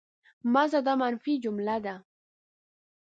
مه ځه! دا منفي جمله ده.